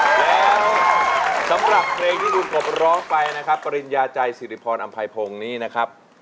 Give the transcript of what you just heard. แล้วสำหรับเพลงที่ลุงกบร้องไปนะครับปริญญาใจสิริพรอำไพพงศ์นี้นะครับ